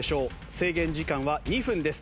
制限時間は２分です。